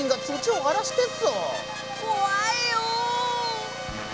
怖いよ！